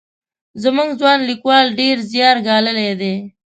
زموږ ځوان لیکوال ډېر زیار ګاللی دی.